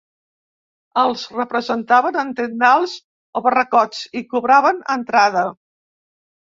Els representaven en tendals o barracots i cobraven entrada.